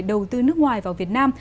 đầu tư nước ngoài vào việt nam